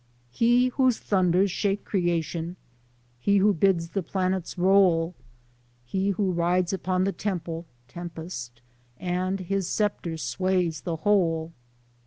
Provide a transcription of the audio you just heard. He whose thunders shake creation ; He who bids the planets roll ; He who rides upon the temple, (tempest) An' his scepter sways de whole.